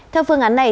theo phương án này